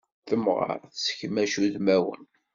Temɣeṛ tessekmac udmawen.